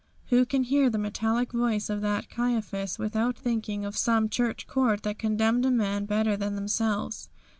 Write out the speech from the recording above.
Who can hear the metallic voice of that Caiaphas without thinking of some church court that condemned a man better than themselves?